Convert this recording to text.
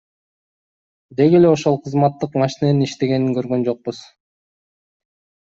Деги эле ошол кызматтык машиненин иштегенин көргөн жокпуз.